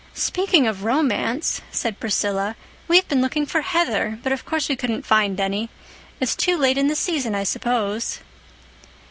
"Speaking of romance," said Priscilla, "we've been looking for heather—but, of course, we couldn't find any. It's too late in the season, I suppose."